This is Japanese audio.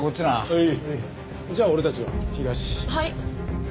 はい。